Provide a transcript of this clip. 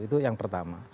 itu yang pertama